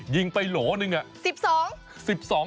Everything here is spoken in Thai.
ยิงไปโหลหนึ่ง